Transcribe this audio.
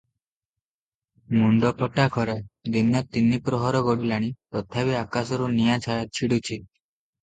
ମୁଣ୍ତଫଟା ଖରା; ଦିନ ତିନିପ୍ରହର ଗଡ଼ିଲାଣି; ତଥାପି ଆକାଶରୁ ନିଆଁ ଛିଡୁଛି ।